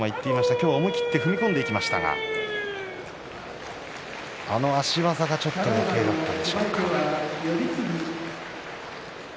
今日は思い切って踏み込んでいきましたがあの足技はよけいだったでしょうか。